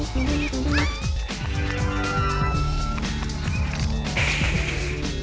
putih lagi dong